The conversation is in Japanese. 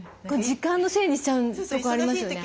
時間のせいにしちゃうとこありますよね。